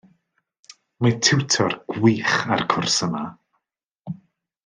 Mae tiwtor gwych ar y cwrs yma.